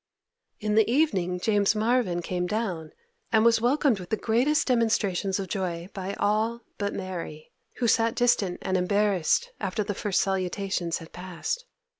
In the evening James Marvyn came down, and was welcomed with the greatest demonstrations of joy by all but Mary, who sat distant and embarrassed after the first salutations had passed.